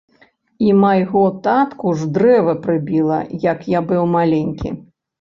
І майго татку ж дрэва прыбіла, як я быў маленькі.